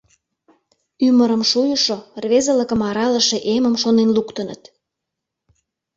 Ӱмырым шуйышо, рвезылыкым аралыше эмым шонен луктыныт.